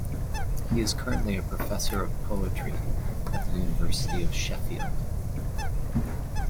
He is currently a Professor of Poetry at the University of Sheffield.